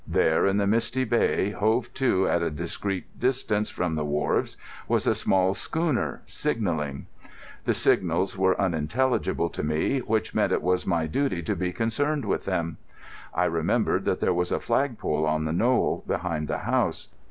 There in the misty bay, hove to at a discreet distance from the wharves, was a small schooner, signalling. The signals were unintelligible to me, which meant it was my duty to be concerned with them. I remembered that there was a flag pole on the knoll, behind the house.